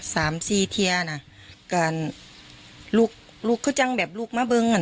สามสี่เทียน่ะการลูกลูกเขาจังแบบลูกมาเบิ้งอ่ะ